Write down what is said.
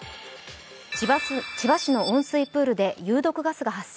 千葉市の温水プールで有毒ガスが発生。